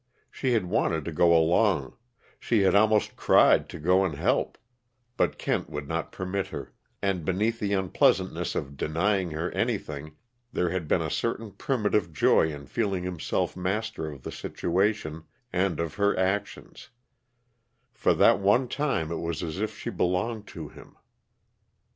She had wanted to go along; she had almost cried to go and help, but Kent would not permit her and beneath the unpleasantness of denying her anything, there had been a certain primitive joy in feeling himself master of the situation and of her actions; for that one time it was as if she belonged to him.